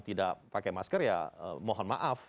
tidak pakai masker ya mohon maaf